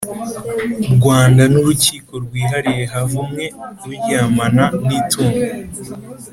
Rwanda n urukiko rwihariye havumwe uryamana n itungo